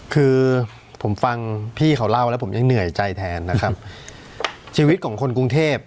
คือผมฟังพี่เขาเล่าแล้วผมยังเหนื่อยใจแทนนะครับชีวิตของคนกรุงเทพ